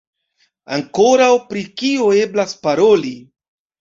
Ankoraŭ pri kio eblas paroli?